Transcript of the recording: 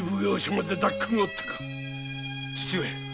父上。